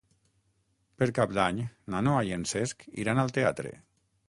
Per Cap d'Any na Noa i en Cesc iran al teatre.